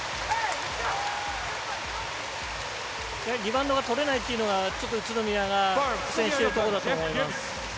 リバウンドが取れないというのが宇都宮が苦戦しているところだと思います。